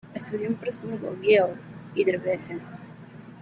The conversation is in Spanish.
Estudió en Presburgo, Győr y Debrecen.